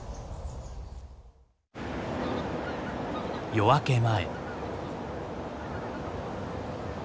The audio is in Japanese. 夜明け前。